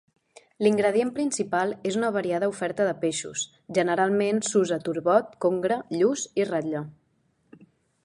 L'ingredient principal és una variada oferta de peixos, generalment s'usa turbot, congre, lluç i ratlla.